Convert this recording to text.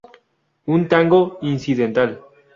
Un 'Tango Incidental'.